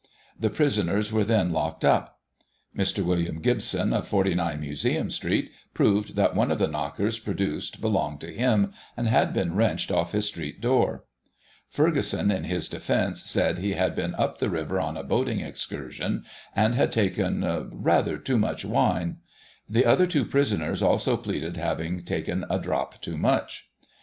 The prisoners were then locked up. Mr. William Gibson, of 49, Museum Street, proved that one of the knockers produced belonged to him, and had been wrenched off his street door. Ferguson, in his defence, said he had been up the river on a boating excursion, and had taken " rather too much wine." The other two prisoners also pleaded having taken a drop too much. Mr.